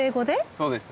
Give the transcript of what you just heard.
そうです。